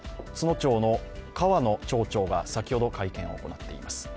都農町の河野町長が先ほど会見を行っています。